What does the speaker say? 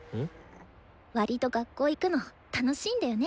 わりと学校行くの楽しいんだよね。